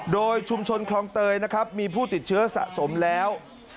โดยชุมชนคลองเตยนะครับมีผู้ติดเชื้อสะสมแล้ว